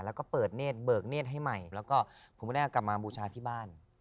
แล้วก็เปิดเนธเบิกเนธให้ใหม่แล้วก็ผมก็ได้กลับมาบูชาที่บ้าน